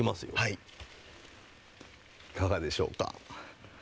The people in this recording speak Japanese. いかがでしょうか？